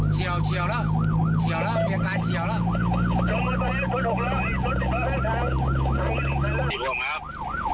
เฉียวเฉียวแล้วเฉียวแล้วมีอาการเฉียวแล้ว